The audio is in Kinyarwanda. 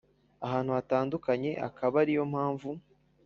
ahantu hatandukanye akaba ariyo mpamvu